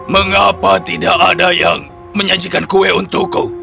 mengapa tidak ada yang menyajikan kue untukku